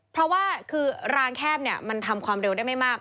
เพราะว่าคือรางแคบมันทำความเร็วได้ไม่มาก